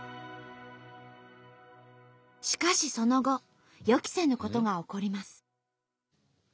しかしその後予期せぬことが起こります。